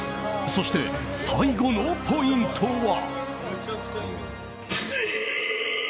そして、最後のポイントは。